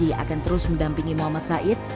mereka berjanji akan terus mendampingi muhammad said